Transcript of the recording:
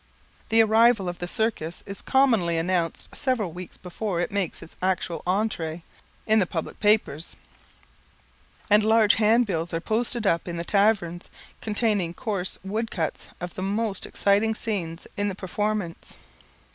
The arrival of the circus is commonly announced several weeks before it makes its actual entree, in the public papers; and large handbills are posted up in the taverns, containing coarse woodcuts of the most exciting scenes in the performance.